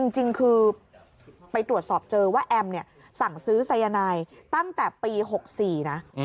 จริงคือไปตรวจสอบเจอว่าแอมเนี่ยสั่งซื้อสายนายตั้งแต่ปี๖๔นะ